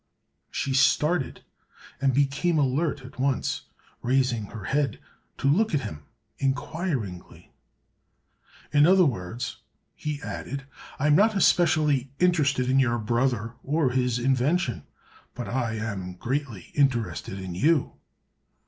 She started and became alert at once, raising her head to look at him inquiringly. "In other words," he added, "I'm not especially interested in your brother or his invention; but I am greatly interested in you."